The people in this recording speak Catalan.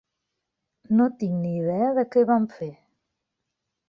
No tinc ni idea de què van a fer.